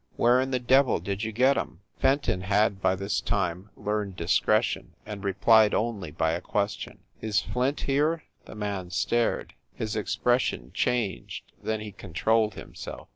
"Where in the devil did you get em?" Fenton had, by this time, learned discretion, and replied only by a question. "Is Flint here ?" The man stared; his expression changed, then he controlled himself.